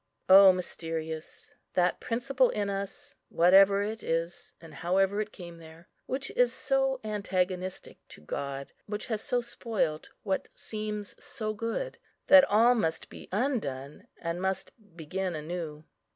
O mysterious, that principle in us, whatever it is, and however it came there, which is so antagonistic to God, which has so spoilt what seems so good, that all must be undone, and must begin anew!